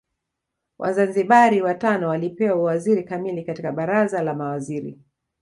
Wazanzibari watano walipewa uwaziri kamili katika Baraza la Mawaziri